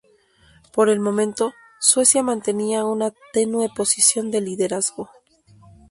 Por el momento, Suecia mantenía una tenue posición de liderazgo.